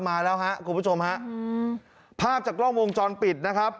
มาแล้วฮะคุณผู้ชมฮะอืมภาพจากกล้องวงจรปิดนะครับ